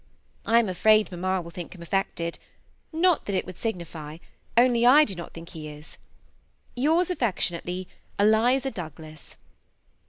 I am afraid mamma will think him affected ; not that it would signify, only I do not think he is. " Yours, affectionately, "Eliza Douglas."